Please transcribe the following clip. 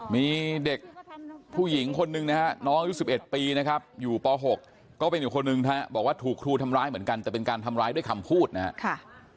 มีเด็กผู้หญิงคนหนึ่งนะฮะน้องอายุ๑๑ปีนะครับอยู่ป๖ก็เป็นอีกคนนึงนะฮะบอกว่าถูกครูทำร้ายเหมือนกันแต่เป็นการทำร้ายด้วยคำพูดนะครับ